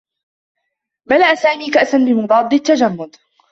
ملأ سامي كأسا بمضاد التّجمّد.